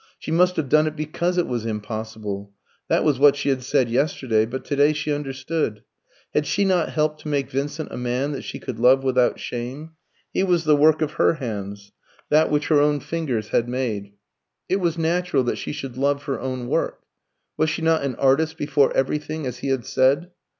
She must have done it because it was impossible. That was what she had said yesterday; but to day she understood. Had she not helped to make Vincent a man that she could love without shame? He was the work of her hands, that which her own fingers had made. It was natural that she should love her own work. Was she not an artist before everything, as he had said?